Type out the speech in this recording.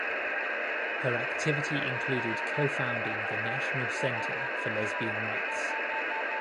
Her activity included co-founding the National Center for Lesbian Rights.